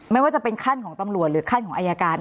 ไม่ว่าจะเป็นขั้นของตำรวจหรือขั้นของอายการ